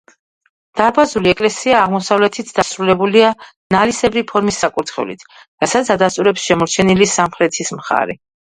დარბაზული ეკლესია აღმოსავლეთით დასრულებულია ნალისებრი ფორმის საკურთხევლით, რასაც ადასტურებს შემორჩენილი სამხრეთის მხარი.